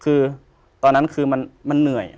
คือตอนนั้นคือมันเหนื่อย